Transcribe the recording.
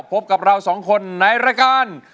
พบกับเราสองคนในรายการ